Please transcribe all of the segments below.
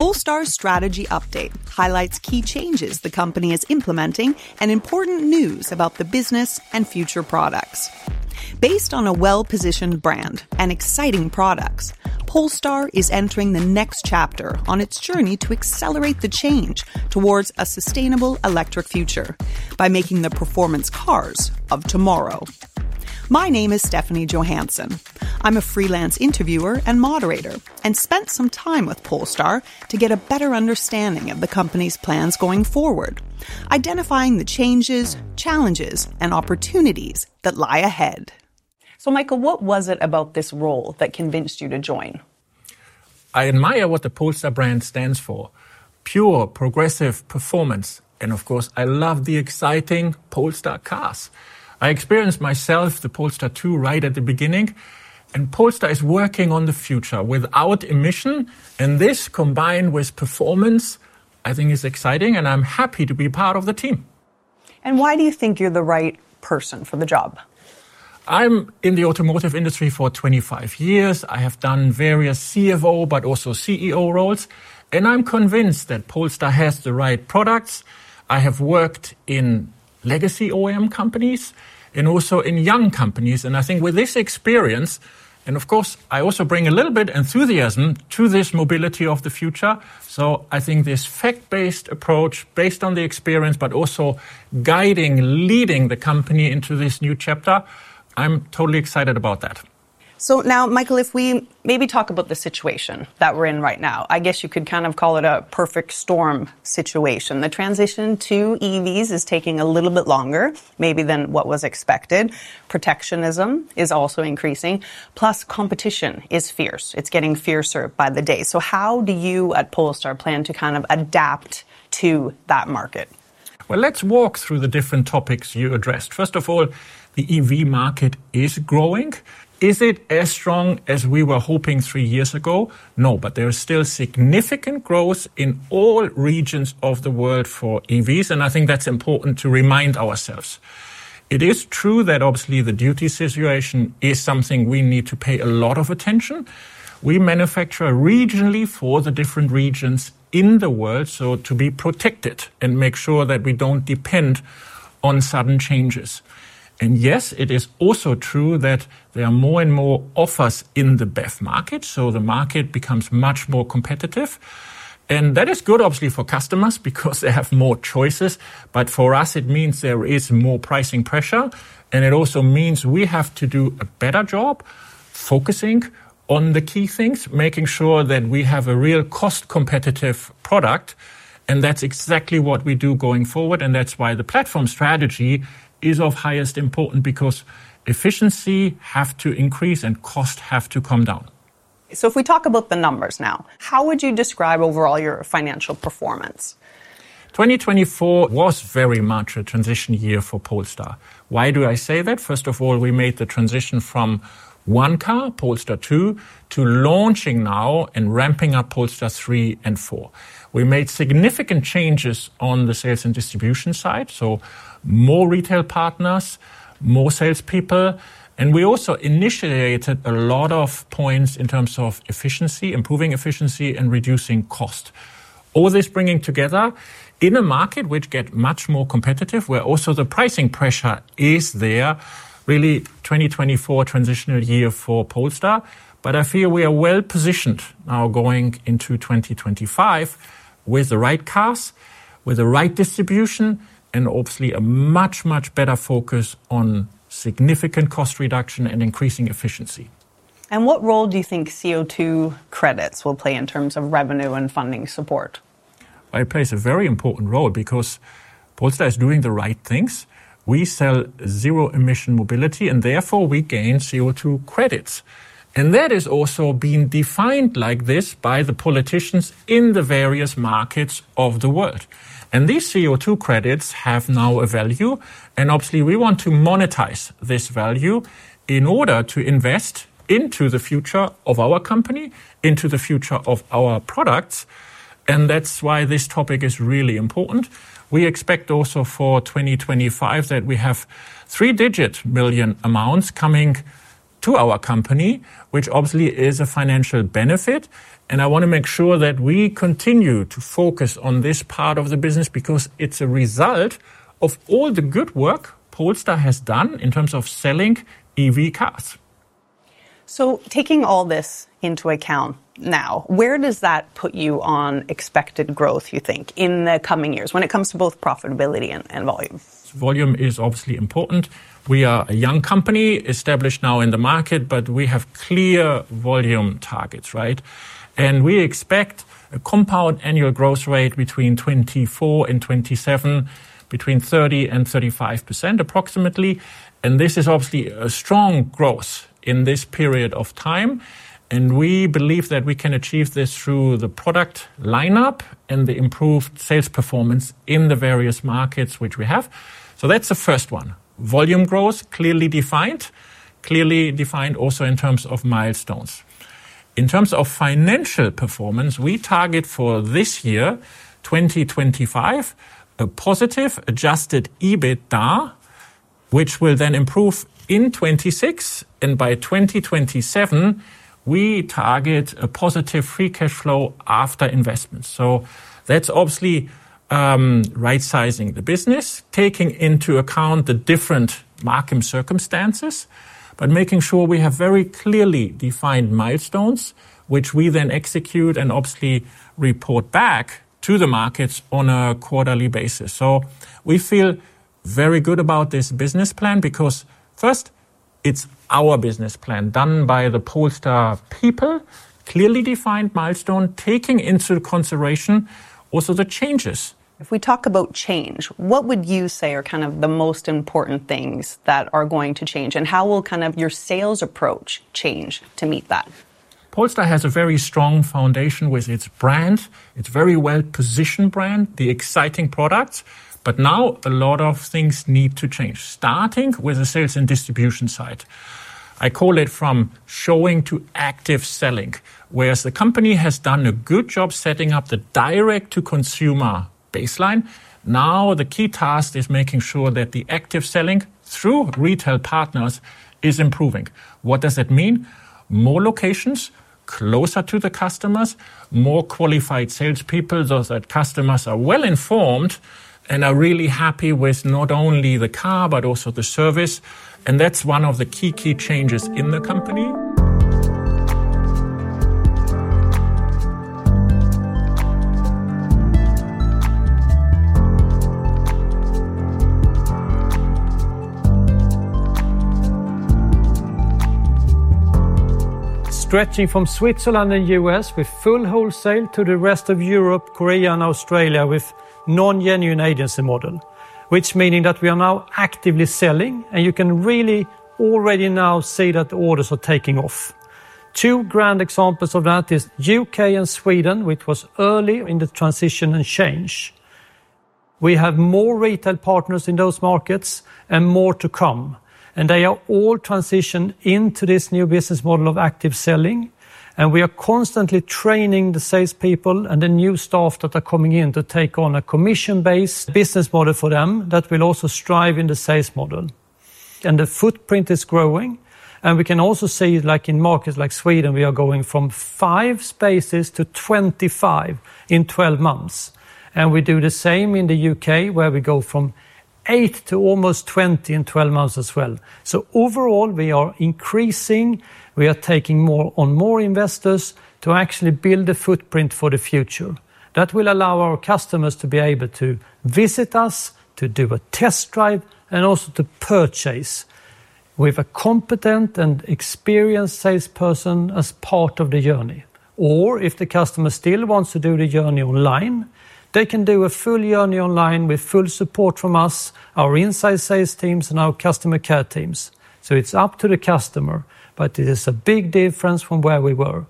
Polestar's strategy update highlights key changes the company is implementing and important news about the business and future products. Based on a well-positioned brand and exciting products, Polestar is entering the next chapter on its journey to accelerate the change towards a sustainable electric future by making the performance cars of tomorrow. My name is Stephanie Johansson. I'm a freelance interviewer and moderator and spent some time with Polestar to get a better understanding of the company's plans going forward, identifying the changes, challenges, and opportunities that lie ahead, so, Michael, what was it about this role that convinced you to join? I admire what the Polestar brand stands for: pure, progressive performance, and, of course, I love the exciting Polestar cars. I experienced myself the Polestar 2 right at the beginning. Polestar is working on the future without emissions, and this, combined with performance, I think is exciting. I'm happy to be part of the team. Why do you think you're the right person for the job? I'm in the automotive industry for 25 years. I have done various CFO, but also CEO roles. And I'm convinced that Polestar has the right products. I have worked in legacy OEM companies and also in young companies. And I think with this experience, and of course, I also bring a little bit of enthusiasm to this mobility of the future. So I think this fact-based approach, based on the experience, but also guiding, leading the company into this new chapter. I'm totally excited about that. So now, Michael, if we maybe talk about the situation that we're in right now, I guess you could kind of call it a perfect storm situation. The transition to EVs is taking a little bit longer, maybe than what was expected. Protectionism is also increasing. Plus, competition is fierce. It's getting fiercer by the day. So how do you at Polestar plan to kind of adapt to that market? Let's walk through the different topics you addressed. First of all, the EV market is growing. Is it as strong as we were hoping three years ago? No, but there is still significant growth in all regions of the world for EVs. I think that's important to remind ourselves. It is true that, obviously, the duty situation is something we need to pay a lot of attention. We manufacture regionally for the different regions in the world, so to be protected and make sure that we don't depend on sudden changes. Yes, it is also true that there are more and more offers in the BEV market. The market becomes much more competitive. That is good, obviously, for customers because they have more choices. For us, it means there is more pricing pressure. And it also means we have to do a better job focusing on the key things, making sure that we have a real cost-competitive product. And that's exactly what we do going forward. And that's why the platform strategy is of highest importance because efficiency has to increase and cost has to come down. So if we talk about the numbers now, how would you describe overall your financial performance? 2024 was very much a transition year for Polestar. Why do I say that? First of all, we made the transition from one car, Polestar 2, to launching now and ramping up Polestar 3 and 4. We made significant changes on the sales and distribution side, so more retail partners, more salespeople. And we also initiated a lot of points in terms of efficiency, improving efficiency and reducing cost. All this bringing together in a market which gets much more competitive, where also the pricing pressure is there, really 2024 transitional year for Polestar. But I feel we are well positioned now going into 2025 with the right cars, with the right distribution, and obviously a much, much better focus on significant cost reduction and increasing efficiency. What role do you think CO2 credits will play in terms of revenue and funding support? It plays a very important role because Polestar is doing the right things. We sell zero-emission mobility, and therefore we gain CO2 credits, and that is also being defined like this by the politicians in the various markets of the world, and these CO2 credits have now a value, and obviously, we want to monetize this value in order to invest into the future of our company, into the future of our products, and that's why this topic is really important. We expect also for 2025 that we have three-digit million amounts coming to our company, which obviously is a financial benefit, and I want to make sure that we continue to focus on this part of the business because it's a result of all the good work Polestar has done in terms of selling EV cars. Taking all this into account now, where does that put you on expected growth, you think, in the coming years when it comes to both profitability and volume? Volume is obviously important. We are a young company established now in the market, but we have clear volume targets, right? And we expect a compound annual growth rate between 24%-27% and between 30%-35%, approximately. And this is obviously a strong growth in this period of time. And we believe that we can achieve this through the product lineup and the improved sales performance in the various markets which we have. So that's the first one. Volume growth clearly defined, clearly defined also in terms of milestones. In terms of financial performance, we target for this year, 2025, a positive Adjusted EBITDA, which will then improve in 2026. And by 2027, we target a positive free cash flow after investments. That's obviously right-sizing the business, taking into account the different market circumstances, but making sure we have very clearly defined milestones, which we then execute and obviously report back to the markets on a quarterly basis. We feel very good about this business plan because first, it's our business plan done by the Polestar people, clearly defined milestone, taking into consideration also the changes. If we talk about change, what would you say are kind of the most important things that are going to change? And how will kind of your sales approach change to meet that? Polestar has a very strong foundation with its brand. It's a very well-positioned brand, the exciting products. But now a lot of things need to change, starting with the sales and distribution side. I call it from showing to active selling, whereas the company has done a good job setting up the direct-to-consumer baseline. Now the key task is making sure that the active selling through retail partners is improving. What does that mean? More locations, closer to the customers, more qualified salespeople so that customers are well informed and are really happy with not only the car, but also the service. And that's one of the key, key changes in the company. Stretching from Switzerland and the U.S. with full wholesale to the rest of Europe, Korea, and Australia with non-agency model, which means that we are now actively selling. And you can really already now see that the orders are taking off. Two grand examples of that are the UK and Sweden, which was early in the transition and change. We have more retail partners in those markets and more to come. And they are all transitioned into this new business model of active selling. And we are constantly training the salespeople and the new staff that are coming in to take on a commission-based business model for them that will also strive in the sales model. And the footprint is growing. And we can also see like in markets like Sweden, we are going from five spaces to 25 in 12 months. And we do the same in the UK, where we go from eight to almost 20 in 12 months as well. So overall, we are increasing. We are taking on more investors to actually build a footprint for the future. That will allow our customers to be able to visit us, to do a test drive, and also to purchase with a competent and experienced salesperson as part of the journey. Or if the customer still wants to do the journey online, they can do a full journey online with full support from us, our inside sales teams, and our customer care teams. So it's up to the customer, but it is a big difference from where we were.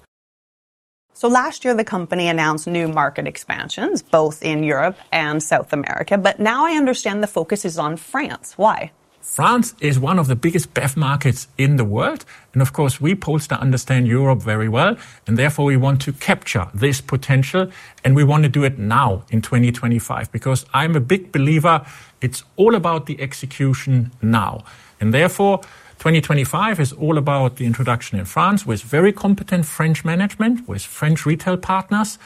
Last year, the company announced new market expansions both in Europe and South America. But now I understand the focus is on France. Why? France is one of the biggest BEV markets in the world, and of course, we Polestar understand Europe very well, and therefore, we want to capture this potential, and we want to do it now in 2025 because I'm a big believer it's all about the execution now, and therefore, 2025 is all about the introduction in France with very competent French management, with French retail partners,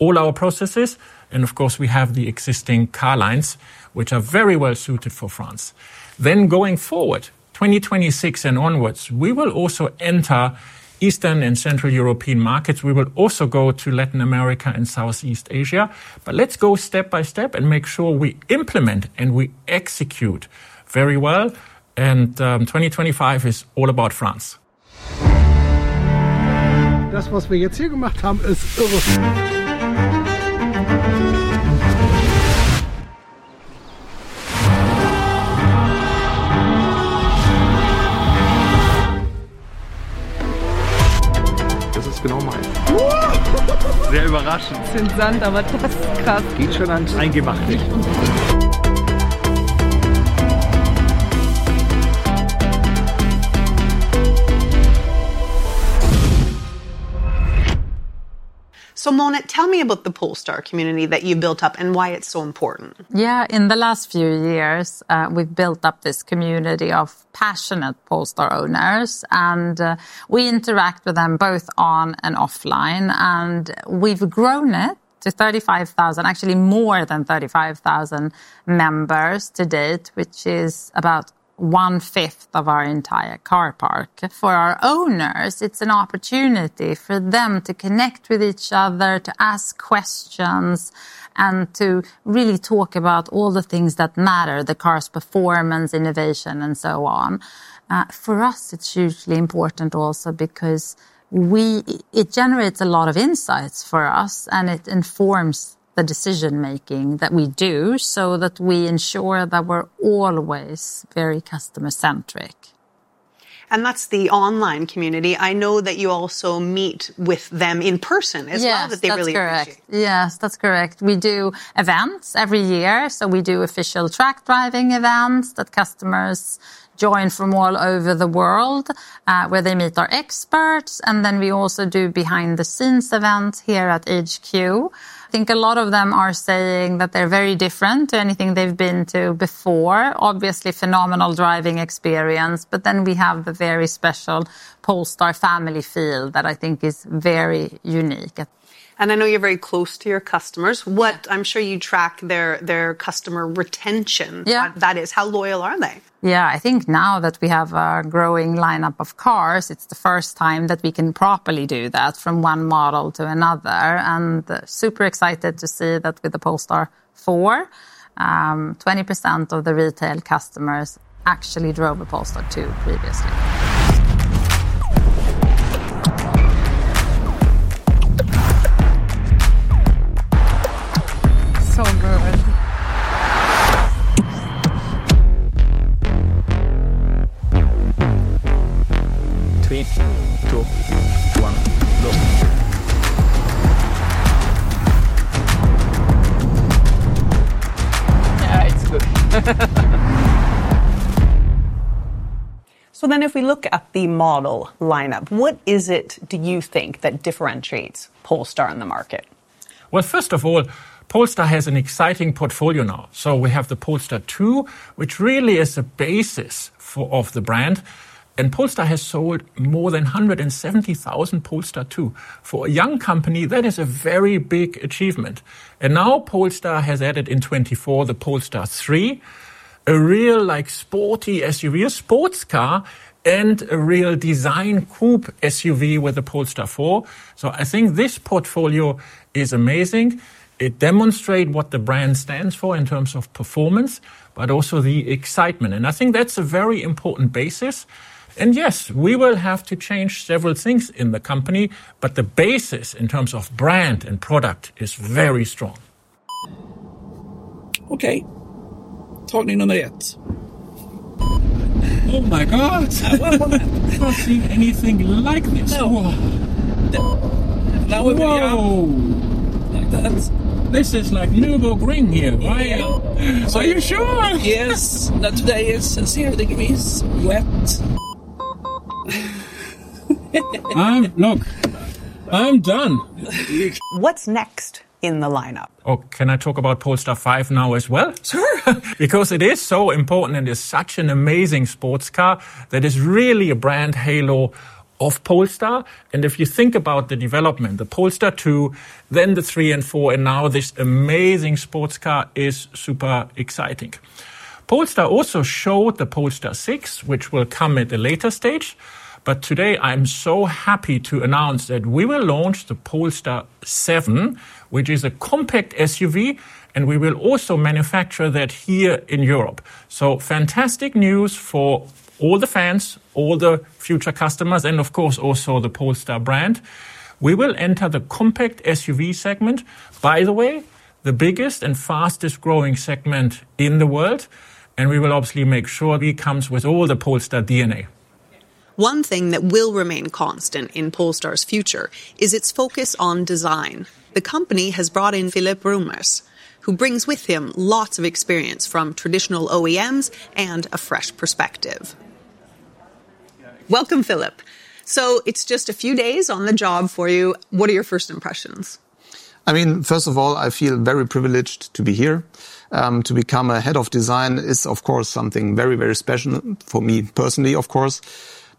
all our processes, and of course, we have the existing car lines, which are very well suited for France. Then going forward, 2026 and onwards, we will also enter Eastern and Central European markets. We will also go to Latin America and Southeast Asia, but let's go step by step and make sure we implement and we execute very well, and 2025 is all about France. This is phenomenal. Sehr überraschend. Sind Sand, aber das ist krass. Eingemacht. So Mona, tell me about the Polestar community that you built up and why it's so important? Yeah, in the last few years, we've built up this community of passionate Polestar owners, and we interact with them both on and offline, and we've grown it to 35,000, actually more than 35,000 members to date, which is about one-fifth of our entire car park. For our owners, it's an opportunity for them to connect with each other, to ask questions, and to really talk about all the things that matter: the car's performance, innovation, and so on. For us, it's hugely important also because it generates a lot of insights for us, and it informs the decision-making that we do so that we ensure that we're always very customer-centric. That's the online community. I know that you also meet with them in person as well. Yes, that's correct. That's correct. We do events every year, so we do official track driving events that customers join from all over the world where they meet our experts, and then we also do behind-the-scenes events here at HQ. I think a lot of them are saying that they're very different to anything they've been to before. Obviously, phenomenal driving experience, but then we have the very special Polestar family feel that I think is very unique. I know you're very close to your customers. I'm sure you track their customer retention. Yeah. That is, how loyal are they? Yeah, I think now that we have a growing lineup of cars, it's the first time that we can properly do that from one model to another, and super excited to see that with the Polestar 4, 20% of the retail customers actually drove a Polestar 2 previously. So good. Three, two, one, go. Yeah, it's good. So then if we look at the model lineup, what is it, do you think, that differentiates Polestar in the market? First of all, Polestar has an exciting portfolio now. We have the Polestar 2, which really is the basis of the brand. Polestar has sold more than 170,000 Polestar 2. For a young company, that is a very big achievement. Now Polestar has added in 2024 the Polestar 3, a real sporty SUV, a sports car, and a real design coupe SUV with the Polestar 4. I think this portfolio is amazing. It demonstrates what the brand stands for in terms of performance, but also the excitement. I think that's a very important basis. Yes, we will have to change several things in the company, but the basis in terms of brand and product is very strong. Okay. Talking on the yacht. Oh my God. I've not seen anything like this. No. Now we're going to go. This is like Nürburgring here, right? Yeah. So you're sure? Yes. That today is zero degrees, wet. Look, I'm done. What's next in the lineup? Oh, can I talk about Polestar 5 now as well? Sure. Because it is so important and is such an amazing sports car that is really a brand halo of Polestar. And if you think about the development, the Polestar 2, then the 3 and 4, and now this amazing sports car is super exciting. Polestar also showed the Polestar 6, which will come at a later stage. But today, I'm so happy to announce that we will launch the Polestar 7, which is a compact SUV. And we will also manufacture that here in Europe. So fantastic news for all the fans, all the future customers, and of course, also the Polestar brand. We will enter the compact SUV segment, by the way, the biggest and fastest growing segment in the world. And we will obviously make sure it comes with all the Polestar DNA. One thing that will remain constant in Polestar's future is its focus on design. The company has brought in Philipp Römers, who brings with him lots of experience from traditional OEMs and a fresh perspective. Welcome, Philipp, so it's just a few days on the job for you. What are your first impressions? I mean, first of all, I feel very privileged to be here. To become a head of design is, of course, something very, very special for me personally, of course.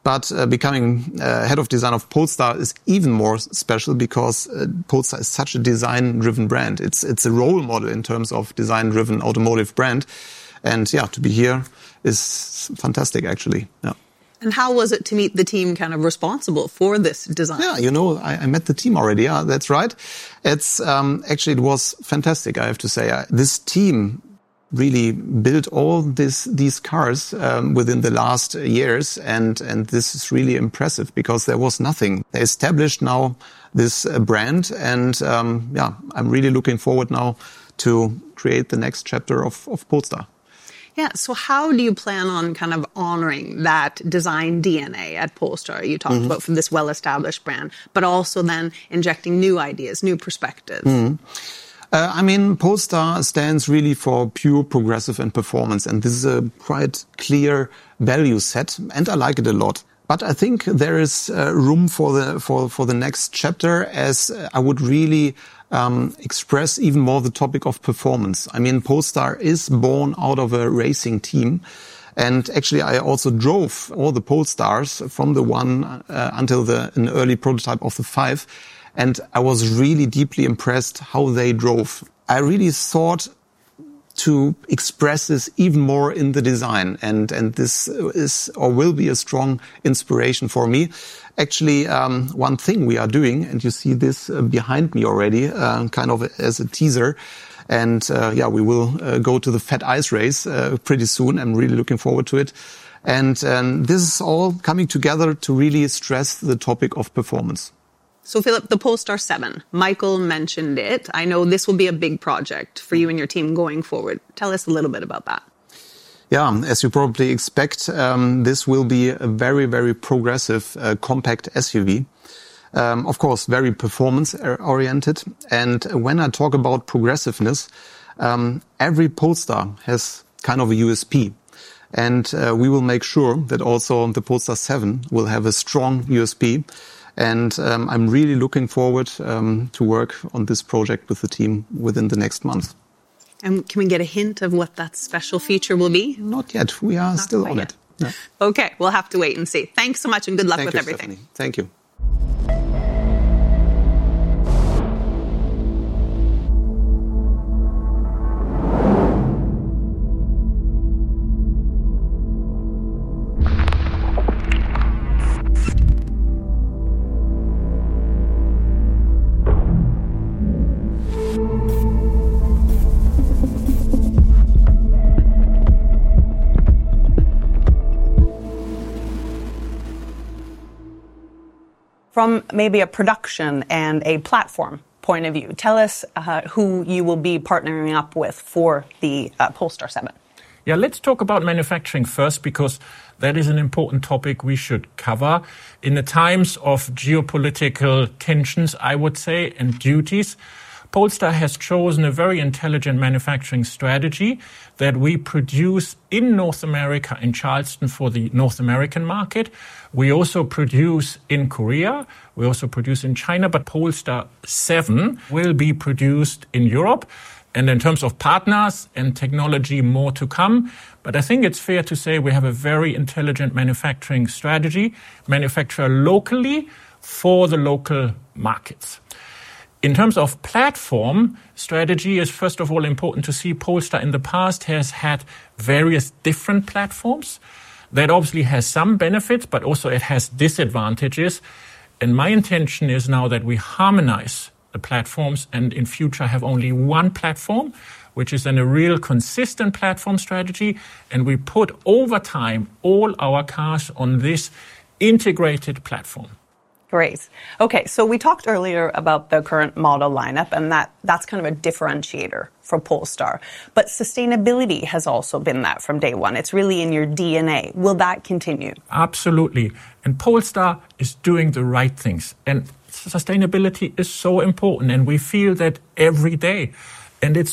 But becoming a head of design of Polestar is even more special because Polestar is such a design-driven brand. It's a role model in terms of design-driven automotive brand. And yeah, to be here is fantastic, actually. How was it to meet the team kind of responsible for this design? Yeah, you know, I met the team already. That's right. Actually, it was fantastic, I have to say. This team really built all these cars within the last years, and yeah, I'm really looking forward now to create the next chapter of Polestar. Yeah. So how do you plan on kind of honoring that design DNA at Polestar? You talked about from this well-established brand, but also then injecting new ideas, new perspectives. I mean, Polestar stands really for pure progressive and performance, and this is a quite clear value set, and I like it a lot, but I think there is room for the next chapter as I would really express even more the topic of performance. I mean, Polestar is born out of a racing team, and actually, I also drove all the Polestars from the one until an early prototype of the 5, and I was really deeply impressed how they drove. I really sought to express this even more in the design, and this is or will be a strong inspiration for me. Actually, one thing we are doing, and you see this behind me already kind of as a teaser, and yeah, we will go to the FAT Ice Race pretty soon. I'm really looking forward to it. And this is all coming together to really stress the topic of performance. So, Philipp, the Polestar 7. Michael mentioned it. I know this will be a big project for you and your team going forward. Tell us a little bit about that. Yeah, as you probably expect, this will be a very, very progressive compact SUV. Of course, very performance-oriented. And when I talk about progressiveness, every Polestar has kind of a USP. And we will make sure that also the Polestar 7 will have a strong USP. And I'm really looking forward to work on this project with the team within the next month. Can we get a hint of what that special feature will be? Not yet. We are still on it. Okay. We'll have to wait and see. Thanks so much and good luck with everything. Thanks, Stephanie. Thank you. From maybe a production and a platform point of view, tell us who you will be partnering up with for the Polestar 7? Yeah, let's talk about manufacturing first because that is an important topic we should cover. In the times of geopolitical tensions, I would say, and duties, Polestar has chosen a very intelligent manufacturing strategy that we produce in North America in Charleston for the North American market. We also produce in Korea. We also produce in China. But Polestar 7 will be produced in Europe. And in terms of partners and technology more to come. But I think it's fair to say we have a very intelligent manufacturing strategy, manufacturer locally for the local markets. In terms of platform strategy, it is first of all important to see Polestar in the past has had various different platforms. That obviously has some benefits, but also it has disadvantages. And my intention is now that we harmonize the platforms and in future have only one platform, which is then a real consistent platform strategy. And we put over time all our cars on this integrated platform. Great. Okay. So we talked earlier about the current model lineup, and that's kind of a differentiator for Polestar. But sustainability has also been that from day one. It's really in your DNA. Will that continue? Absolutely. And Polestar is doing the right things. And sustainability is so important. And we feel that every day. And it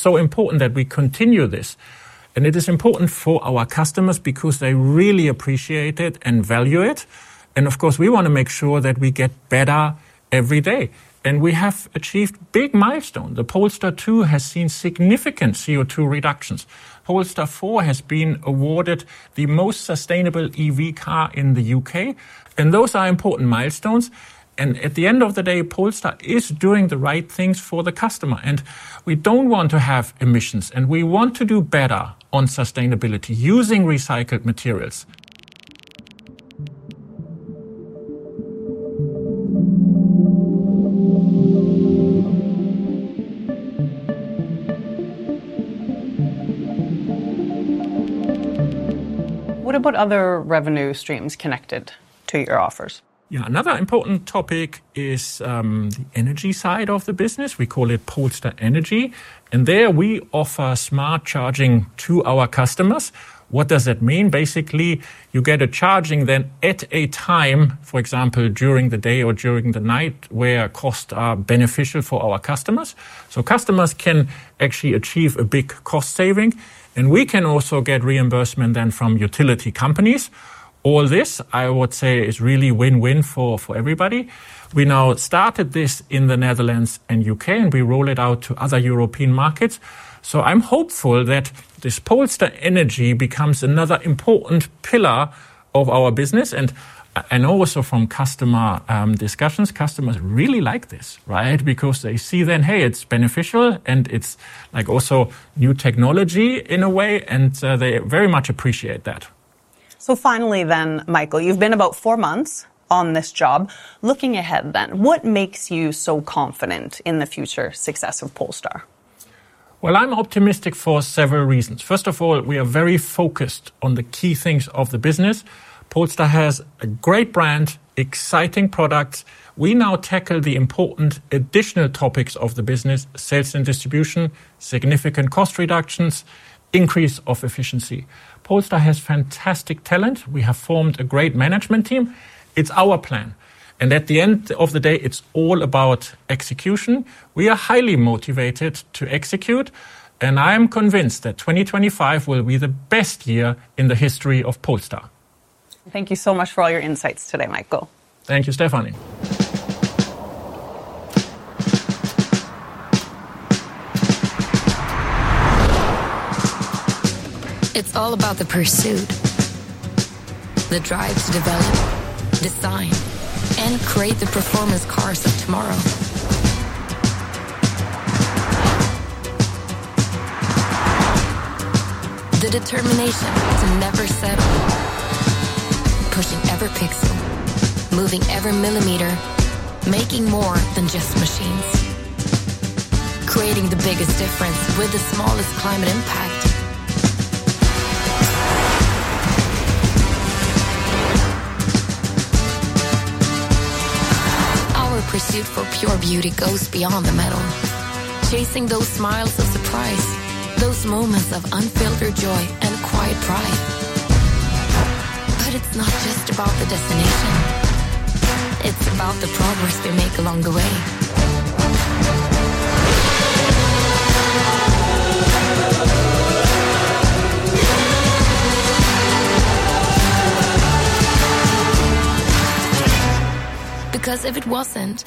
is important for our customers because they really appreciate it and value it. And of course, we want to make sure that we get better every day. And we have achieved big milestones. The Polestar 2 has seen significant CO2 reductions. Polestar 4 has been awarded the most sustainable EV car in the UK. And those are important milestones. And at the end of the day, Polestar is doing the right things for the customer. And we don't want to have emissions. And we want to do better on sustainability using recycled materials. What about other revenue streams connected to your offers? Yeah, another important topic is the energy side of the business. We call it Polestar Energy. And there we offer smart charging to our customers. What does that mean? Basically, you get a charging then at a time, for example, during the day or during the night where costs are beneficial for our customers. So customers can actually achieve a big cost saving. And we can also get reimbursement then from utility companies. All this, I would say, is really win-win for everybody. We now started this in the Netherlands and UK, and we roll it out to other European markets. So I'm hopeful that this Polestar Energy becomes another important pillar of our business. And I know also from customer discussions, customers really like this, right? Because they see then, hey, it's beneficial, and it's like also new technology in a way. And they very much appreciate that. So finally then, Michael, you've been about four months on this job. Looking ahead then, what makes you so confident in the future success of Polestar? Well, I'm optimistic for several reasons. First of all, we are very focused on the key things of the business. Polestar has a great brand, exciting products. We now tackle the important additional topics of the business, sales and distribution, significant cost reductions, increase of efficiency. Polestar has fantastic talent. We have formed a great management team. It's our plan. And at the end of the day, it's all about execution. We are highly motivated to execute. And I'm convinced that 2025 will be the best year in the history of Polestar. Thank you so much for all your insights today, Michael. Thank you, Stephanie. It's all about the pursuit, the drive to develop, design, and create the performance cars of tomorrow. The determination to never settle, pushing every pixel, moving every millimeter, making more than just machines, creating the biggest difference with the smallest climate impact. Our pursuit for pure beauty goes beyond the metal, chasing those smiles of surprise, those moments of unfiltered joy and quiet pride. But it's not just about the destination. It's about the progress they make along the way. Because if it wasn't,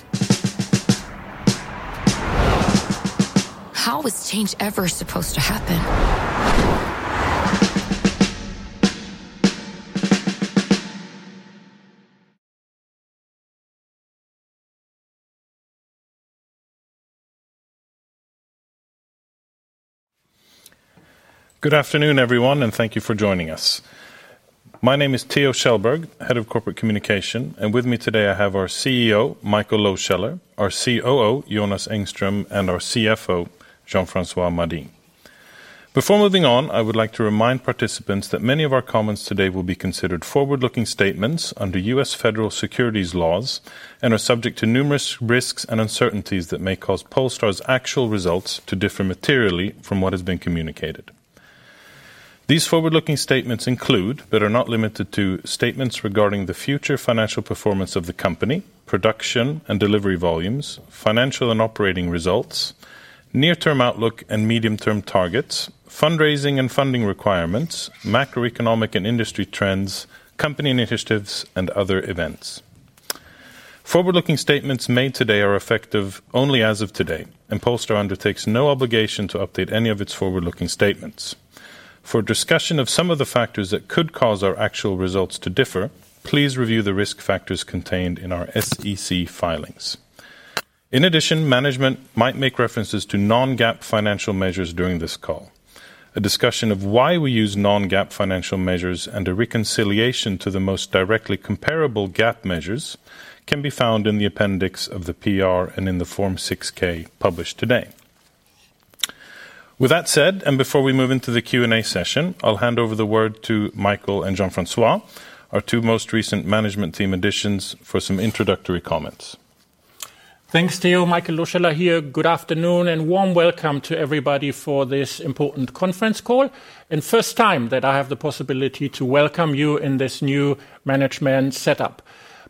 how was change ever supposed to happen? Good afternoon, everyone, and thank you for joining us. My name is Theo Kjellberg, head of corporate communication. With me today, I have our CEO, Michael Lohscheller, our COO, Jonas Engström, and our CFO, Jean-François Mady. Before moving on, I would like to remind participants that many of our comments today will be considered forward-looking statements under U.S. federal securities laws and are subject to numerous risks and uncertainties that may cause Polestar's actual results to differ materially from what has been communicated. These forward-looking statements include, but are not limited to, statements regarding the future financial performance of the company, production and delivery volumes, financial and operating results, near-term outlook and medium-term targets, fundraising and funding requirements, macroeconomic and industry trends, company initiatives, and other events. Forward-looking statements made today are effective only as of today. Polestar undertakes no obligation to update any of its forward-looking statements. For discussion of some of the factors that could cause our actual results to differ, please review the risk factors contained in our SEC filings. In addition, management might make references to non-GAAP financial measures during this call. A discussion of why we use non-GAAP financial measures and a reconciliation to the most directly comparable GAAP measures can be found in the appendix of the PR and in the Form 6-K published today. With that said, and before we move into the Q&A session, I'll hand over the word to Michael and Jean-François, our two most recent management team additions, for some introductory comments. Thanks, Theo. Michael Lohscheller here. Good afternoon and warm welcome to everybody for this important conference call. And first time that I have the possibility to welcome you in this new management setup.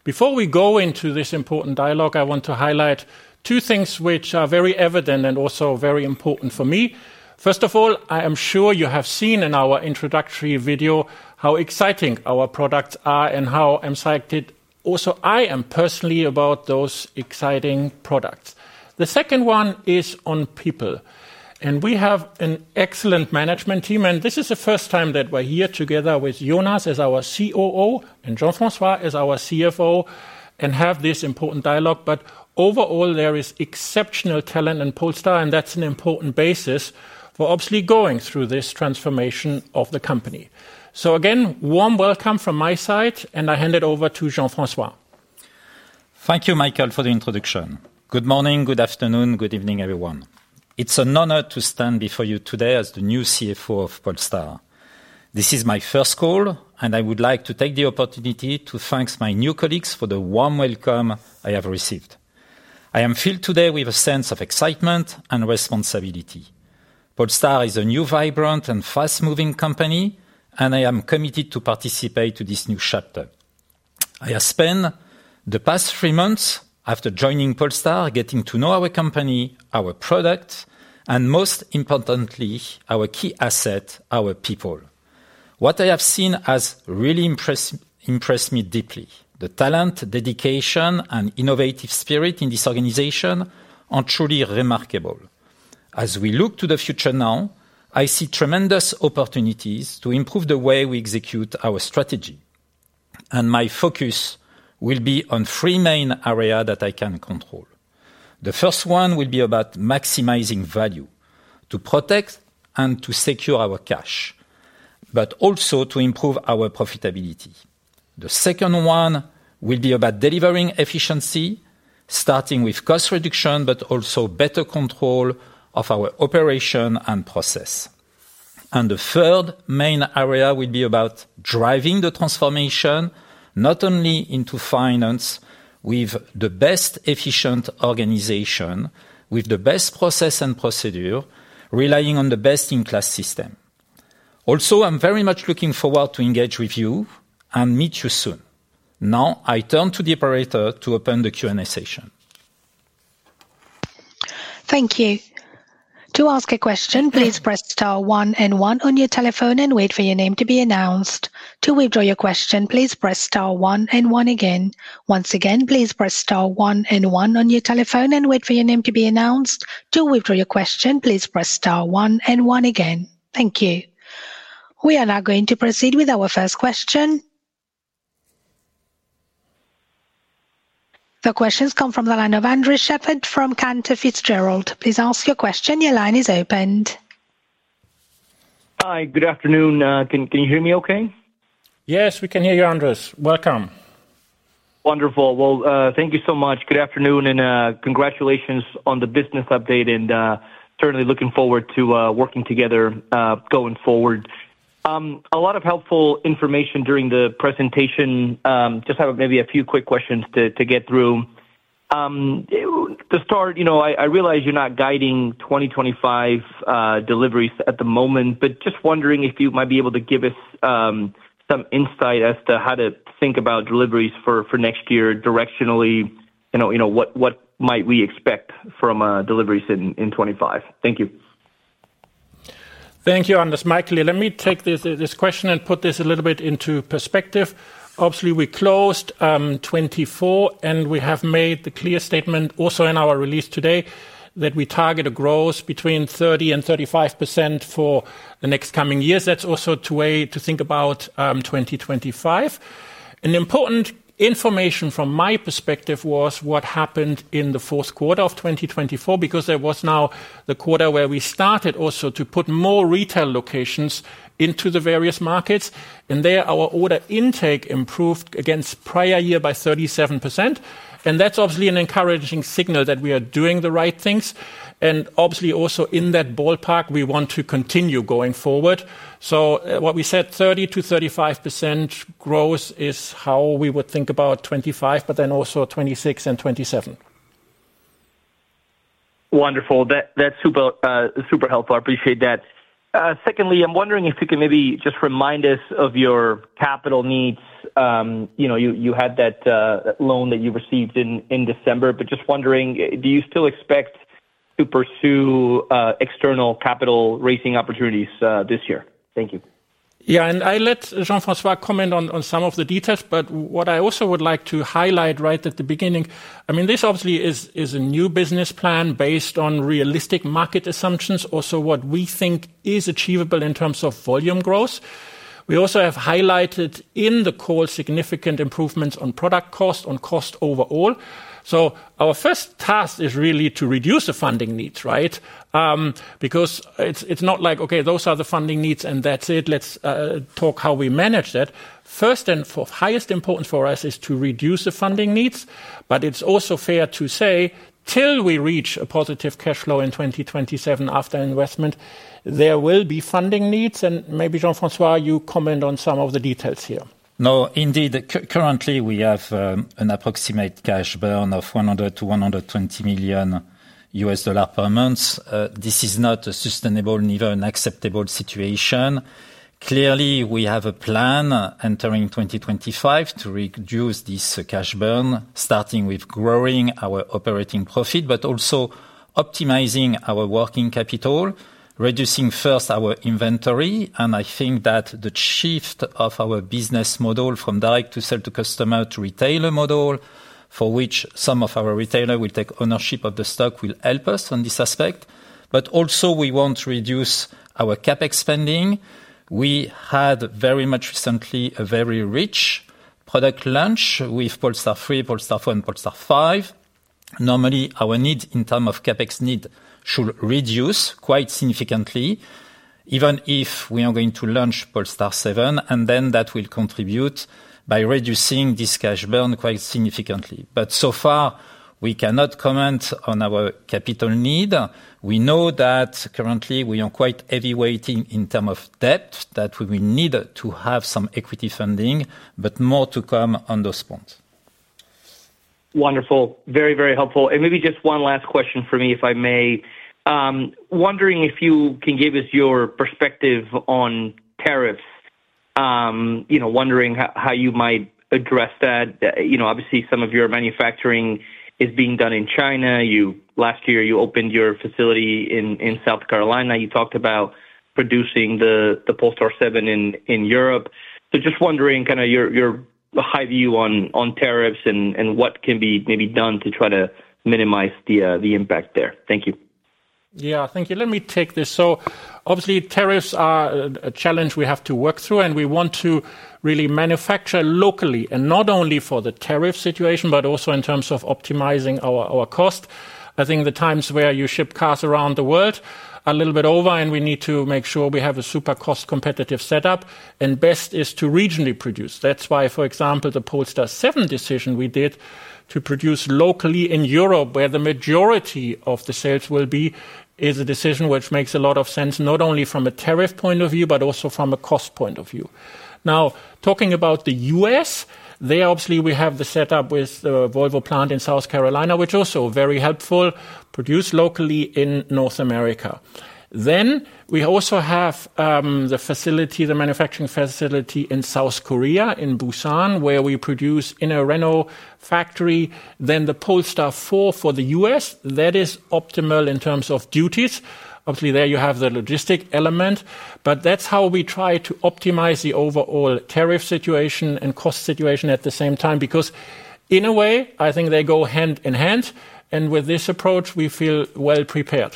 Before we go into this important dialogue, I want to highlight two things which are very evident and also very important for me. First of all, I am sure you have seen in our introductory video how exciting our products are and how excited also I am personally about those exciting products. The second one is on people. And we have an excellent management team. And this is the first time that we're here together with Jonas as our COO and Jean-François as our CFO and have this important dialogue. But overall, there is exceptional talent in Polestar, and that's an important basis for obviously going through this transformation of the company. So again, warm welcome from my side, and I hand it over to Jean-François. Thank you, Michael, for the introduction. Good morning, good afternoon, good evening, everyone. It's an honor to stand before you today as the new CFO of Polestar. This is my first call, and I would like to take the opportunity to thank my new colleagues for the warm welcome I have received. I am filled today with a sense of excitement and responsibility. Polestar is a new, vibrant, and fast-moving company, and I am committed to participate in this new chapter. I have spent the past three months after joining Polestar getting to know our company, our product, and most importantly, our key asset, our people. What I have seen has really impressed me deeply. The talent, dedication, and innovative spirit in this organization are truly remarkable. As we look to the future now, I see tremendous opportunities to improve the way we execute our strategy. My focus will be on three main areas that I can control. The first one will be about maximizing value to protect and to secure our cash, but also to improve our profitability. The second one will be about delivering efficiency, starting with cost reduction, but also better control of our operation and process. The third main area will be about driving the transformation, not only into finance, with the best efficient organization, with the best process and procedure, relying on the best-in-class system. Also, I'm very much looking forward to engage with you and meet you soon. Now, I turn to the operator to open the Q&A session. Thank you. To ask a question, please press star one and one on your telephone and wait for your name to be announced. To withdraw your question, please press star one and one again. Once again, please press star one and one on your telephone and wait for your name to be announced. To withdraw your question, please press star one and one again. Thank you. We are now going to proceed with our first question. The questions come from the line of Andres Sheppard from Cantor Fitzgerald. Please ask your question. Your line is open. Hi, good afternoon. Can you hear me okay? Yes, we can hear you, Andres. Welcome. Wonderful. Well, thank you so much. Good afternoon and congratulations on the business update. And certainly looking forward to working together going forward. A lot of helpful information during the presentation. Just have maybe a few quick questions to get through. To start, I realize you're not guiding 2025 deliveries at the moment, but just wondering if you might be able to give us some insight as to how to think about deliveries for next year directionally. What might we expect from deliveries in '25? Thank you. Thank you, Andres. Michael, let me take this question and put this a little bit into perspective. Obviously, we closed 2024, and we have made the clear statement also in our release today that we target a growth between 30% and 35% for the next coming years. That's also a way to think about 2025. Important information from my perspective was what happened in the fourth quarter of 2024, because there was now the quarter where we started also to put more retail locations into the various markets. And there, our order intake improved against prior year by 37%. And that's obviously an encouraging signal that we are doing the right things. And obviously, also in that ballpark, we want to continue going forward. So what we said, 30%-35% growth is how we would think about 2025, but then also 2026 and 2027. Wonderful. That's super helpful. I appreciate that. Secondly, I'm wondering if you can maybe just remind us of your capital needs. You had that loan that you received in December, but just wondering, do you still expect to pursue external capital raising opportunities this year? Thank you. Yeah, and I let Jean-François comment on some of the details, but what I also would like to highlight right at the beginning. I mean, this obviously is a new business plan based on realistic market assumptions, also what we think is achievable in terms of volume growth. We also have highlighted in the call significant improvements on product cost, on cost overall. So our first task is really to reduce the funding needs, right? Because it's not like, okay, those are the funding needs and that's it. Let's talk how we manage that. First and foremost, highest importance for us is to reduce the funding needs. But it's also fair to say, till we reach a positive cash flow in 2027 after investment, there will be funding needs. And maybe Jean-François, you comment on some of the details here. No, indeed, currently we have an approximate cash burn of $100-$120 million per month. This is not a sustainable, neither an acceptable situation. Clearly, we have a plan entering 2025 to reduce this cash burn, starting with growing our operating profit, but also optimizing our working capital, reducing first our inventory, and I think that the shift of our business model from direct-to-sale-to-customer to retailer model, for which some of our retailer will take ownership of the stock, will help us on this aspect, but also, we want to reduce our CapEx spending. We had very much recently a very rich product launch with Polestar 3, Polestar 4, and Polestar 5. Normally, our need in terms of CapEx need should reduce quite significantly, even if we are going to launch Polestar 7, and then that will contribute by reducing this cash burn quite significantly. But so far, we cannot comment on our capital need. We know that currently we are quite heavily weighted in terms of debt, that we will need to have some equity funding, but more to come on those points. Wonderful. Very, very helpful. And maybe just one last question for me, if I may. Wondering if you can give us your perspective on tariffs, wondering how you might address that. Obviously, some of your manufacturing is being done in China. Last year, you opened your facility in South Carolina. You talked about producing the Polestar 7 in Europe. So just wondering kind of your high view on tariffs and what can be maybe done to try to minimize the impact there. Thank you. Yeah, thank you. Let me take this. So obviously, tariffs are a challenge we have to work through, and we want to really manufacture locally and not only for the tariff situation, but also in terms of optimizing our cost. I think the times where you ship cars around the world are a little bit over, and we need to make sure we have a super cost-competitive setup, and best is to regionally produce. That's why, for example, the Polestar 7 decision we did to produce locally in Europe, where the majority of the sales will be, is a decision which makes a lot of sense, not only from a tariff point of view, but also from a cost point of view. Now, talking about the U.S., there obviously we have the setup with the Volvo plant in South Carolina, which is also very helpful, produced locally in North America. Then we also have the facility, the manufacturing facility in South Korea, in Busan, where we produce in a Renault factory. Then the Polestar 4 for the US, that is optimal in terms of duties. Obviously, there you have the logistical element, but that's how we try to optimize the overall tariff situation and cost situation at the same time, because in a way, I think they go hand in hand, and with this approach, we feel well prepared.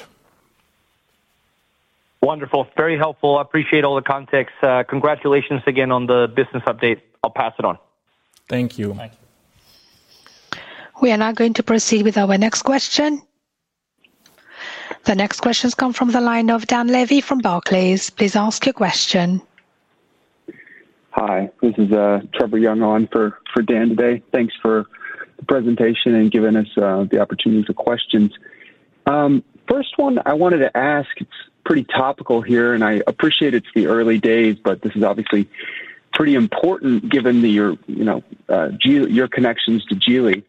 Wonderful. Very helpful. I appreciate all the context. Congratulations again on the business update. I'll pass it on. Thank you. Thank you. We are now going to proceed with our next question. The next questions come from the line of Dan Levy from Barclays. Please ask your question. Hi, this is Trevor Young on for Dan today. Thanks for the presentation and giving us the opportunity for questions. First one, I wanted to ask, it's pretty topical here, and I appreciate it's the early days, but this is obviously pretty important given your connections to Geely.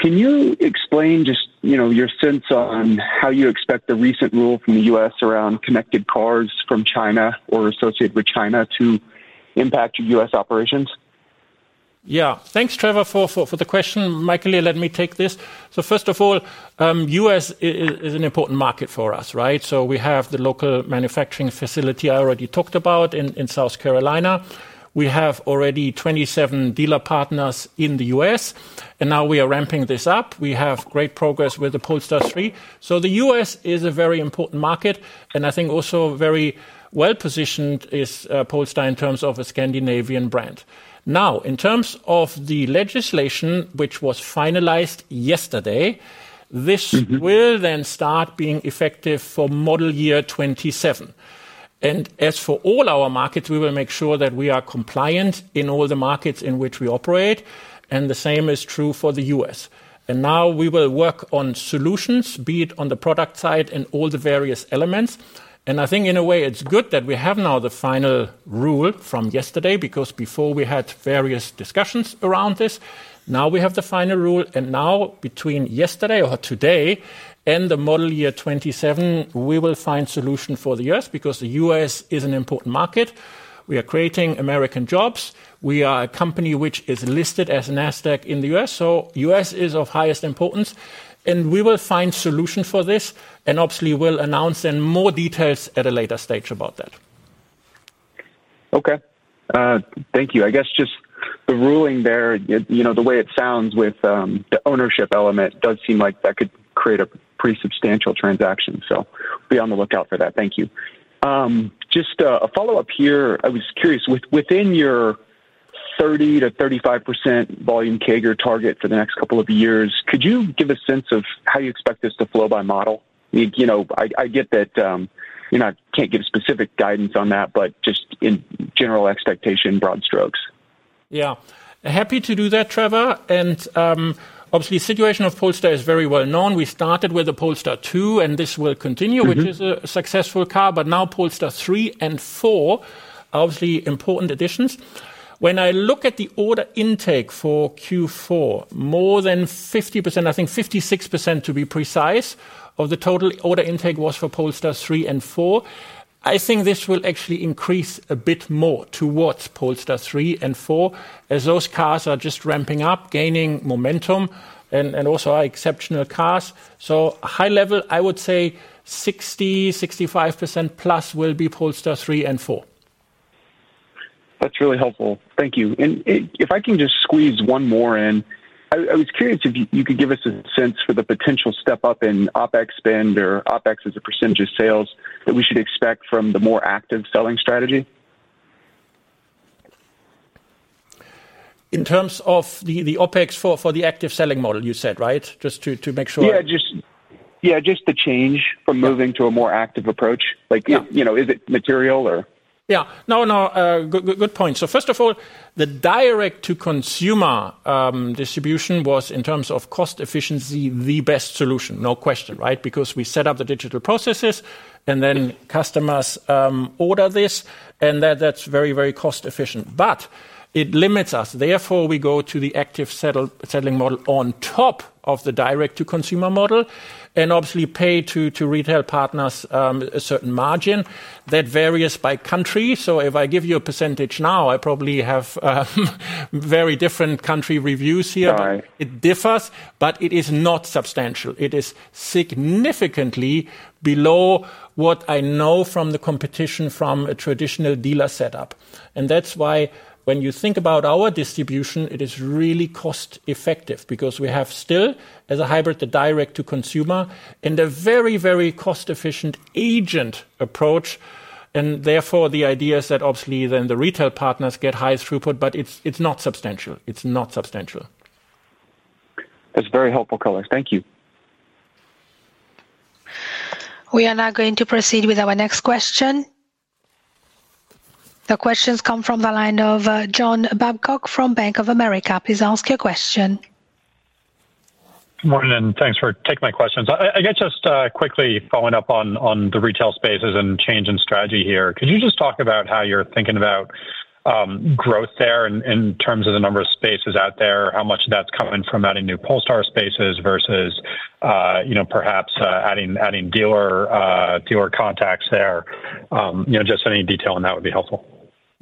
Can you explain just your sense on how you expect the recent rule from the U.S. around connected cars from China or associated with China to impact your U.S. operations? Yeah, thanks, Trevor, for the question. Michael, let me take this. First of all, the U.S. is an important market for us, right? We have the local manufacturing facility I already talked about in South Carolina. We have already 27 dealer partners in the U.S., and now we are ramping this up. We have great progress with the Polestar 3. The U.S. is a very important market, and I think also very well positioned is Polestar in terms of a Scandinavian brand. Now, in terms of the legislation, which was finalized yesterday, this will then start being effective for model year 2027. As for all our markets, we will make sure that we are compliant in all the markets in which we operate, and the same is true for the U.S. And now we will work on solutions, be it on the product side and all the various elements. And I think in a way, it's good that we have now the final rule from yesterday, because before we had various discussions around this. Now we have the final rule, and now between yesterday or today and the model year 2027, we will find solutions for the U.S., because the U.S. is an important market. We are creating American jobs. We are a company which is listed on Nasdaq in the U.S. So the U.S. is of highest importance, and we will find solutions for this. And obviously, we'll announce then more details at a later stage about that. Okay. Thank you. I guess just the ruling there, the way it sounds with the ownership element, does seem like that could create a pretty substantial transaction. So be on the lookout for that. Thank you. Just a follow-up here. I was curious, within your 30%-35% volume CAGR target for the next couple of years, could you give a sense of how you expect this to flow by model? I get that you can't give specific guidance on that, but just in general expectation, broad strokes. Yeah. Happy to do that, Dan. Obviously, the situation of Polestar is very well known. We started with the Polestar 2, and this will continue, which is a successful car, but now Polestar 3 and 4, obviously important additions. When I look at the order intake for Q4, more than 50%, I think 56% to be precise of the total order intake was for Polestar 3 and 4. I think this will actually increase a bit more towards Polestar 3 and 4, as those cars are just ramping up, gaining momentum, and also are exceptional cars. So high level, I would say 60-65% plus will be Polestar 3 and 4. That's really helpful. Thank you. And if I can just squeeze one more in, I was curious if you could give us a sense for the potential step up in OpEx spend or OpEx as a percentage of sales that we should expect from the more active selling strategy? In terms of the OpEx for the active selling model, you said, right? Just to make sure. Yeah, just the change from moving to a more active approach. Is it material or? Yeah. No, no, good point. So first of all, the direct-to-consumer distribution was, in terms of cost efficiency, the best solution, no question, right? Because we set up the digital processes, and then customers order this, and that's very, very cost efficient. But it limits us. Therefore, we go to the active selling model on top of the direct-to-consumer model, and obviously pay to retail partners a certain margin that varies by country. So if I give you a percentage now, I probably have very different country reviews here, but it differs, but it is not substantial. It is significantly below what I know from the competition from a traditional dealer setup. And that's why when you think about our distribution, it is really cost effective, because we have still, as a hybrid, the direct-to-consumer and a very, very cost efficient agent approach. Therefore, the idea is that obviously then the retail partners get high throughput, but it's not substantial. It's not substantial. That's very helpful, Colleague. Thank you. We are now going to proceed with our next question. The questions come from the line of John Babcock from Bank of America. Please ask your question. Good morning, and thanks for taking my questions. I guess just quickly following up on the retail spaces and change in strategy here, could you just talk about how you're thinking about growth there in terms of the number of spaces out there, how much that's coming from adding new Polestar spaces versus perhaps adding dealer contacts there? Just any detail on that would be helpful.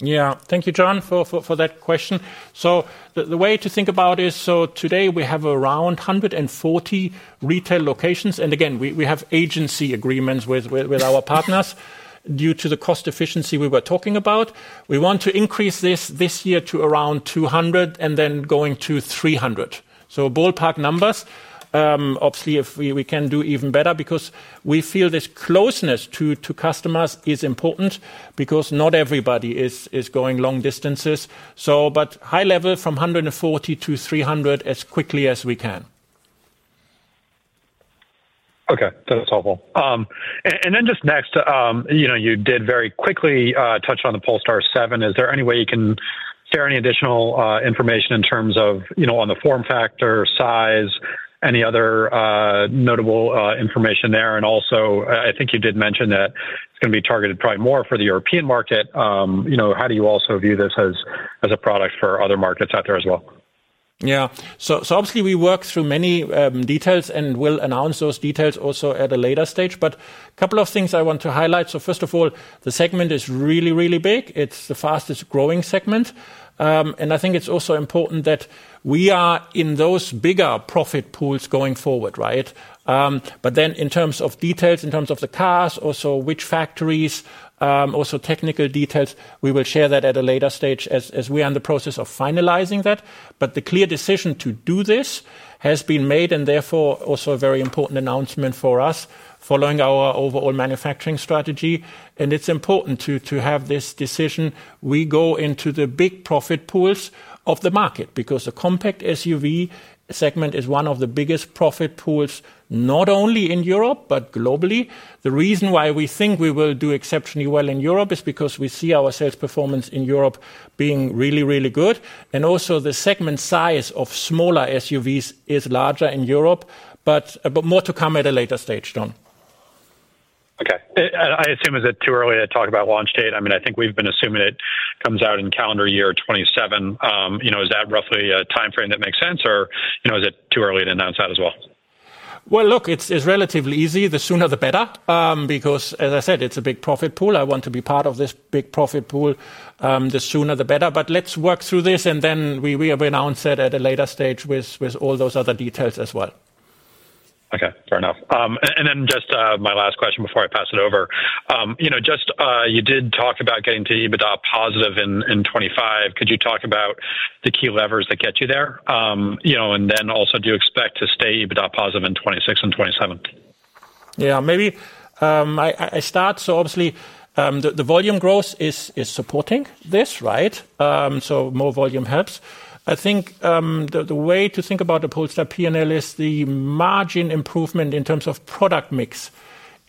Yeah. Thank you, John, for that question. So the way to think about it is, so today we have around 140 retail locations. And again, we have agency agreements with our partners due to the cost efficiency we were talking about. We want to increase this year to around 200 and then going to 300. So ballpark numbers. Obviously, if we can do even better, because we feel this closeness to customers is important, because not everybody is going long distances. But high level from 140 to 300 as quickly as we can. Okay. That's helpful. And then just next, you did very quickly touch on the Polestar 7. Is there any way you can share any additional information in terms of on the form factor, size, any other notable information there? And also, I think you did mention that it's going to be targeted probably more for the European market. How do you also view this as a product for other markets out there as well? Yeah. So obviously, we work through many details and will announce those details also at a later stage. But a couple of things I want to highlight. So first of all, the segment is really, really big. It's the fastest growing segment. And I think it's also important that we are in those bigger profit pools going forward, right? But then in terms of details, in terms of the cars, also which factories, also technical details, we will share that at a later stage as we are in the process of finalizing that. But the clear decision to do this has been made and therefore also a very important announcement for us following our overall manufacturing strategy. And it's important to have this decision. We go into the big profit pools of the market because the compact SUV segment is one of the biggest profit pools, not only in Europe, but globally. The reason why we think we will do exceptionally well in Europe is because we see our sales performance in Europe being really, really good, and also the segment size of smaller SUVs is larger in Europe, but more to come at a later stage, John. Okay. I assume, is it too early to talk about launch date? I mean, I think we've been assuming it comes out in calendar year 2027. Is that roughly a timeframe that makes sense, or is it too early to announce that as well? Well, look, it's relatively easy. The sooner, the better, because as I said, it's a big profit pool. I want to be part of this big profit pool the sooner, the better. But let's work through this, and then we will announce it at a later stage with all those other details as well. Okay. Fair enough. And then just my last question before I pass it over. Just you did talk about getting to EBITDA positive in 2025. Could you talk about the key levers that get you there? And then also do you expect to stay EBITDA positive in 2026 and 2027? Yeah. Maybe I start. So obviously, the volume growth is supporting this, right? So more volume helps. I think the way to think about the Polestar P&L is the margin improvement in terms of product mix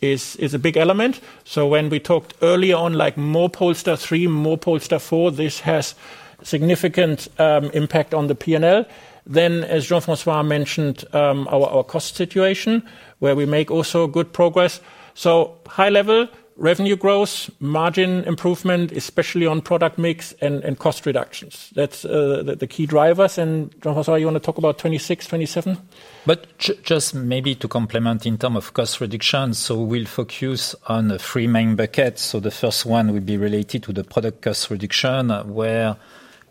is a big element. So when we talked early on, like more Polestar 3, more Polestar 4, this has significant impact on the P&L. Then, as Jean-François mentioned, our cost situation, where we make also good progress. So high level revenue growth, margin improvement, especially on product mix and cost reductions. That's the key drivers, and Jean-François, you want to talk about 2026, 2027? But just maybe to complement in terms of cost reduction, so we'll focus on three main buckets. So the first one would be related to the product cost reduction, where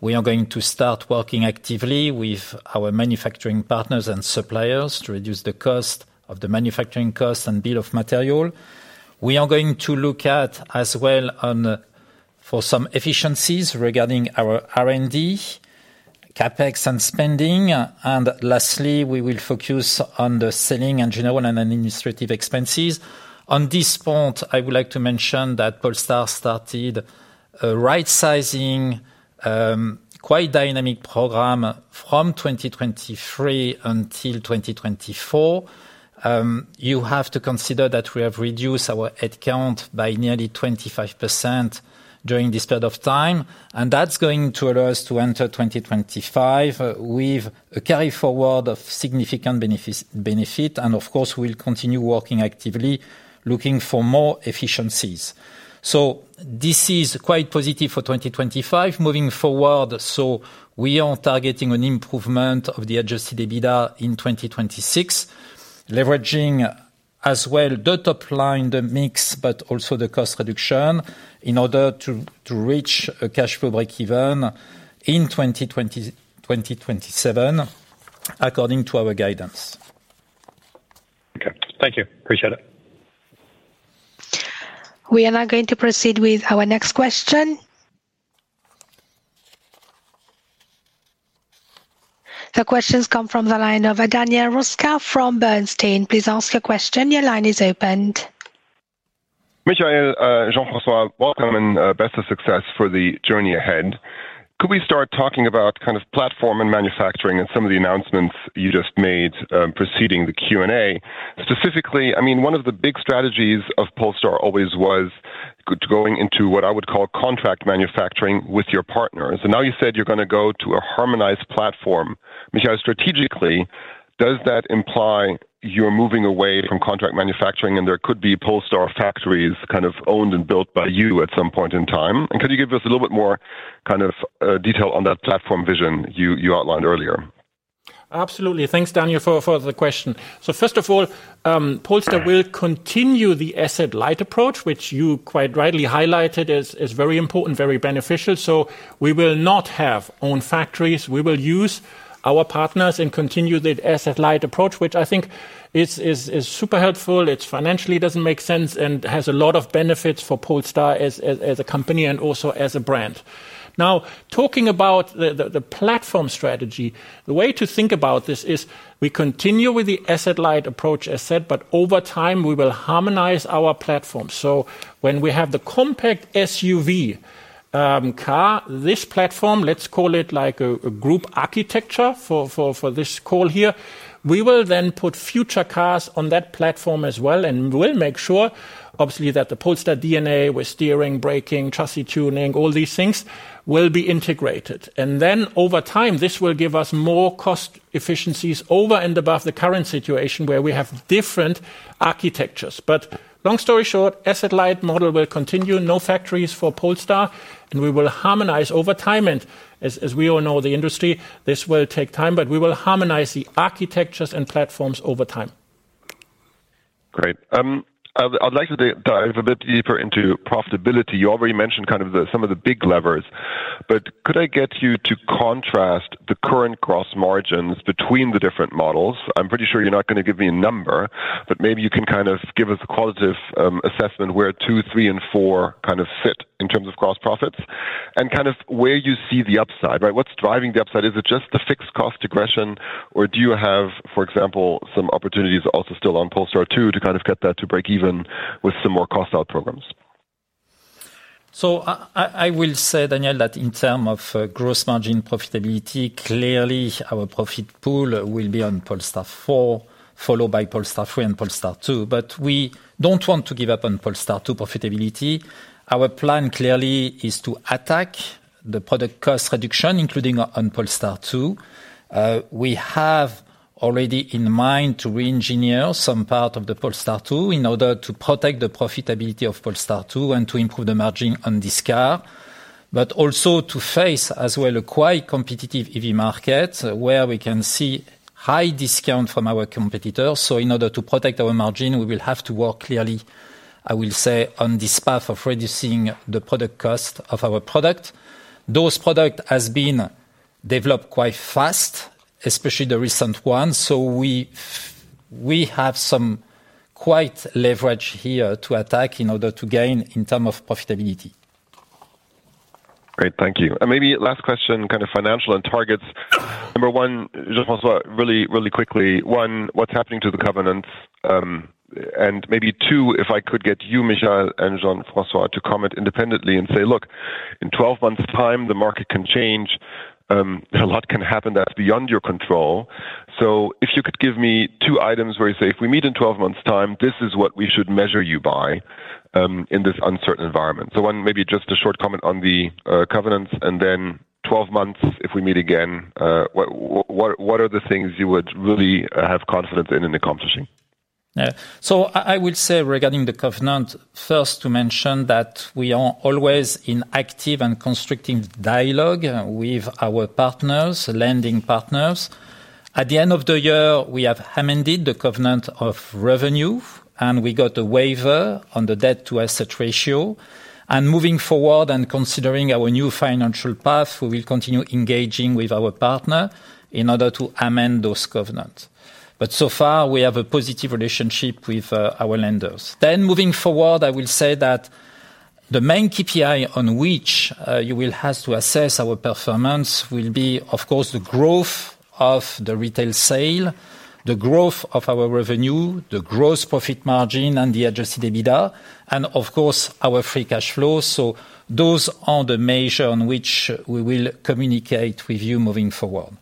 we are going to start working actively with our manufacturing partners and suppliers to reduce the cost of the manufacturing costs and bill of material. We are going to look at as well for some efficiencies regarding our R&D, CapEx and spending. And lastly, we will focus on the selling and general and administrative expenses. On this point, I would like to mention that Polestar started a right-sizing, quite dynamic program from 2023 until 2024. You have to consider that we have reduced our headcount by nearly 25% during this period of time. And that's going to allow us to enter 2025 with a carry forward of significant benefit. And of course, we'll continue working actively looking for more efficiencies. So this is quite positive for 2025 moving forward. So we are targeting an improvement of the Adjusted EBITDA in 2026, leveraging as well the top line, the mix, but also the cost reduction in order to reach a cash flow break-even in 2027 according to our guidance. Okay. Thank you. Appreciate it. We are now going to proceed with our next question. The questions come from the line of Daniel Roeska from Bernstein. Please ask your question. Your line is opened. Michael, Jean-François, welcome and best of success for the journey ahead. Could we start talking about kind of platform and manufacturing and some of the announcements you just made preceding the Q&A? Specifically, I mean, one of the big strategies of Polestar always was going into what I would call contract manufacturing with your partners. And now you said you're going to go to a harmonized platform. Michael, strategically, does that imply you're moving away from contract manufacturing and there could be Polestar factories kind of owned and built by you at some point in time? And could you give us a little bit more kind of detail on that platform vision you outlined earlier? Absolutely. Thanks, Daniel, for the question. So first of all, Polestar will continue the asset light approach, which you quite rightly highlighted as very important, very beneficial. So we will not have own factories. We will use our partners and continue the asset light approach, which I think is super helpful. It financially doesn't make sense and has a lot of benefits for Polestar as a company and also as a brand. Now, talking about the platform strategy, the way to think about this is we continue with the asset light approach, as said, but over time we will harmonize our platform. When we have the compact SUV car, this platform, let's call it like a group architecture for this call here, we will then put future cars on that platform as well and will make sure, obviously, that the Polestar DNA with steering, braking, chassis tuning, all these things will be integrated. Then over time, this will give us more cost efficiencies over and above the current situation where we have different architectures. Long story short, asset light model will continue, no factories for Polestar, and we will harmonize over time. As we all know, the industry, this will take time, but we will harmonize the architectures and platforms over time. Great. I'd like to dive a bit deeper into profitability. You already mentioned kind of some of the big levers, but could I get you to contrast the current gross margins between the different models? I'm pretty sure you're not going to give me a number, but maybe you can kind of give us a qualitative assessment where two, three, and four kind of fit in terms of gross profits and kind of where you see the upside, right? What's driving the upside? Is it just the fixed cost regression, or do you have, for example, some opportunities also still on Polestar 2 to kind of get that to break even with some more cost-out programs? I will say, Daniel, that in terms of gross margin profitability, clearly our profit pool will be on Polestar 4, followed by Polestar 3 and Polestar 2. But we don't want to give up on Polestar 2 profitability. Our plan clearly is to attack the product cost reduction, including on Polestar 2. We have already in mind to re-engineer some part of the Polestar 2 in order to protect the profitability of Polestar 2 and to improve the margin on this car, but also to face as well a quite competitive EV market where we can see high discount from our competitors. So in order to protect our margin, we will have to work clearly, I will say, on this path of reducing the product cost of our product. Those products have been developed quite fast, especially the recent ones. We have some quite leverage here to attack in order to gain in terms of profitability. Great. Thank you. And maybe last question, kind of financial and targets. Number one, Jean-François, really, really quickly, one, what's happening to the covenants? And maybe two, if I could get you, Michael, and Jean-François to comment independently and say, look, in 12 months' time, the market can change. A lot can happen that's beyond your control. So if you could give me two items where you say, if we meet in 12 months' time, this is what we should measure you by in this uncertain environment. So one, maybe just a short comment on the covenants, and then 12 months, if we meet again, what are the things you would really have confidence in and accomplishing? I would say regarding the covenant, first to mention that we are always in active and constructive dialogue with our partners, lending partners. At the end of the year, we have amended the covenant of revenue, and we got a waiver on the debt-to-asset ratio. Moving forward and considering our new financial path, we will continue engaging with our partner in order to amend those covenants. But so far, we have a positive relationship with our lenders. Moving forward, I will say that the main KPI on which you will have to assess our performance will be, of course, the growth of the retail sales, the growth of our revenue, the gross profit margin, and the adjusted EBITDA, and of course, our free cash flow. Those are the measures on which we will communicate with you moving forward.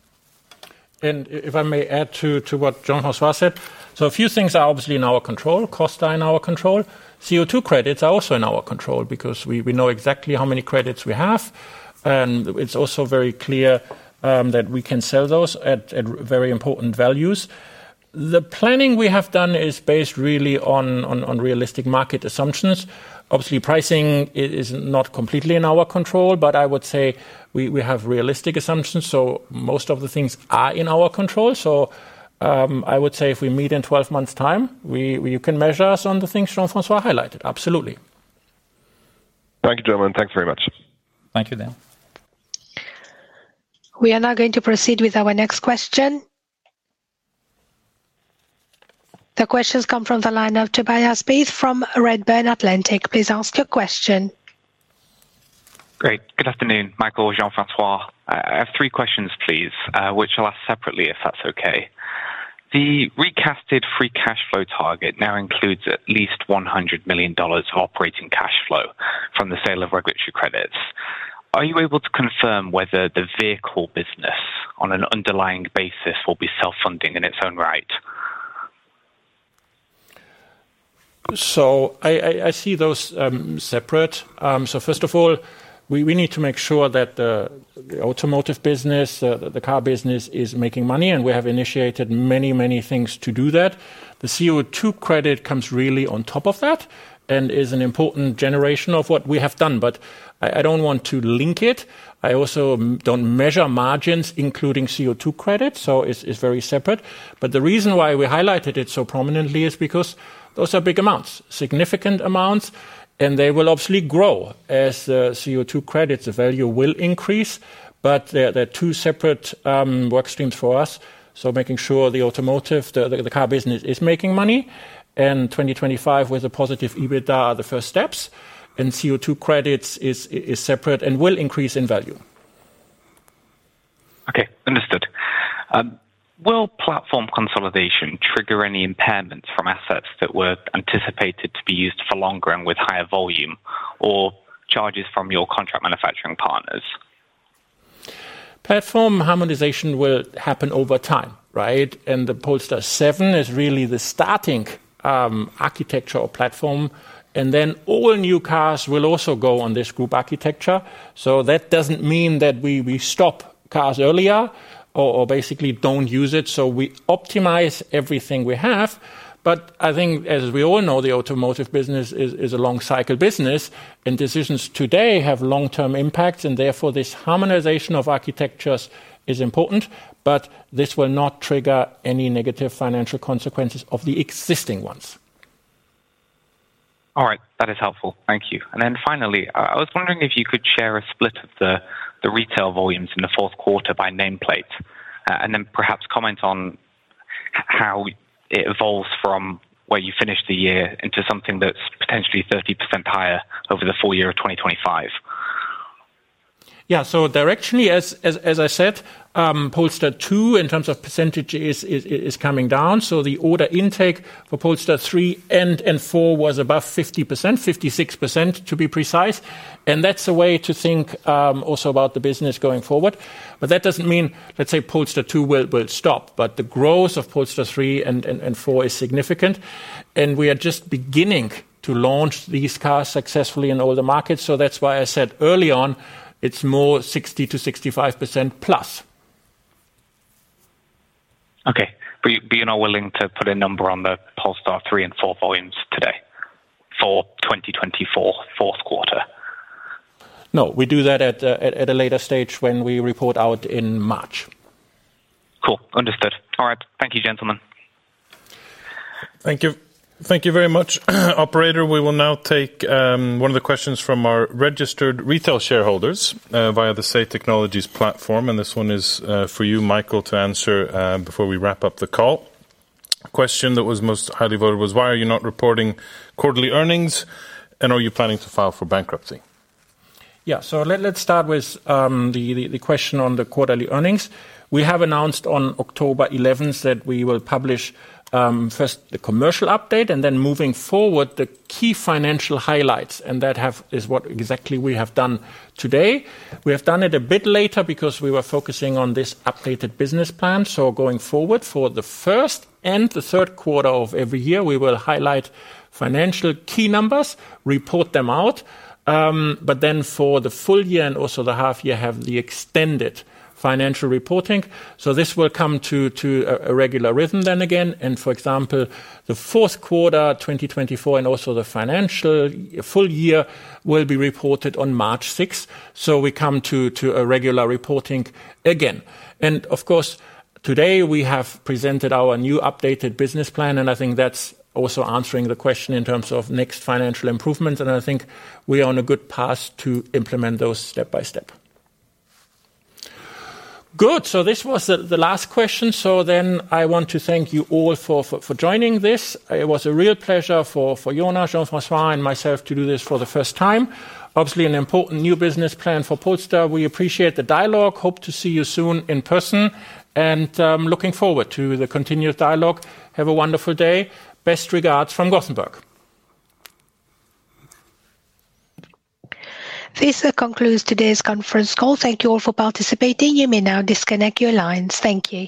If I may add to what Jean-François said, a few things are obviously in our control. Costs are in our control. CO2 credits are also in our control because we know exactly how many credits we have. It's also very clear that we can sell those at very important values. The planning we have done is based really on realistic market assumptions. Obviously, pricing is not completely in our control, but I would say we have realistic assumptions. Most of the things are in our control. I would say if we meet in 12 months' time, you can measure us on the things Jean-François highlighted. Absolutely. Thank you, gentlemen. Thanks very much. Thank you, Daniel. We are now going to proceed with our next question. The questions come from the line of Tobias Beith from Redburn Atlantic. Please ask your question. Great. Good afternoon, Michael and Jean-François. I have three questions, please, which I'll ask separately if that's okay. The recast free cash flow target now includes at least $100 million operating cash flow from the sale of regulatory credits. Are you able to confirm whether the vehicle business on an underlying basis will be self-funding in its own right? So I see those separate. So first of all, we need to make sure that the automotive business, the car business is making money, and we have initiated many, many things to do that. The CO2 credit comes really on top of that and is an important generation of what we have done. But I don't want to link it. I also don't measure margins, including CO2 credits, so it's very separate. But the reason why we highlighted it so prominently is because those are big amounts, significant amounts, and they will obviously grow as the CO2 credits' value will increase. But they're two separate work streams for us. So making sure the automotive, the car business is making money, and 2025 with a positive EBITDA are the first steps. And CO2 credits is separate and will increase in value. Okay. Understood. Will platform consolidation trigger any impairments from assets that were anticipated to be used for longer and with higher volume or charges from your contract manufacturing partners? Platform harmonization will happen over time, right? And the Polestar 7 is really the starting architecture or platform. And then all new cars will also go on this group architecture. So that doesn't mean that we stop cars earlier or basically don't use it. So we optimize everything we have. But I think, as we all know, the automotive business is a long-cycle business, and decisions today have long-term impacts. And therefore, this harmonization of architectures is important, but this will not trigger any negative financial consequences of the existing ones. All right. That is helpful. Thank you. And then finally, I was wondering if you could share a split of the retail volumes in the fourth quarter by nameplate, and then perhaps comment on how it evolves from where you finished the year into something that's potentially 30% higher over the full year of 2025? Yeah. So directionally, as I said, Polestar 2 in terms of percentage is coming down. So the order intake for Polestar 3 and 4 was above 50%, 56% to be precise. And that's a way to think also about the business going forward. But that doesn't mean, let's say, Polestar 2 will stop, but the growth of Polestar 3 and 4 is significant. And we are just beginning to launch these cars successfully in all the markets. So that's why I said early on, it's more 60% to 65% plus. Okay. But you're not willing to put a number on the Polestar 3 and 4 volumes today for 2024 fourth quarter? No, we do that at a later stage when we report out in March. Cool. Understood. All right. Thank you, gentlemen. Thank you. Thank you very much, operator. We will now take one of the questions from our registered retail shareholders via the Say Technologies platform, and this one is for you, Michael, to answer before we wrap up the call. The question that was most highly voted was, why are you not reporting quarterly earnings, and are you planning to file for bankruptcy? Yeah. So let's start with the question on the quarterly earnings. We have announced on October 11th that we will publish first the commercial update, and then moving forward, the key financial highlights, and that is what exactly we have done today. We have done it a bit later because we were focusing on this updated business plan, so going forward, for the first and the third quarter of every year, we will highlight financial key numbers, report them out, but then for the full year and also the half year, have the extended financial reporting, so this will come to a regular rhythm then again, and for example, the fourth quarter 2024 and also the financial full year will be reported on March 6th, so we come to a regular reporting again. Of course, today we have presented our new updated business plan, and I think that's also answering the question in terms of next financial improvements. I think we are on a good path to implement those step by step. Good. This was the last question. Then I want to thank you all for joining this. It was a real pleasure for Jonas, Jean-François, and myself to do this for the first time. Obviously, an important new business plan for Polestar. We appreciate the dialogue. Hope to see you soon in person. Looking forward to the continued dialogue. Have a wonderful day. Best regards from Gothenburg. This concludes today's conference call. Thank you all for participating. You may now disconnect your lines. Thank you.